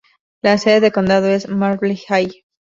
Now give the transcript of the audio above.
La sede de condado es Marble Hill.